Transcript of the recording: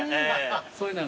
そういうのが。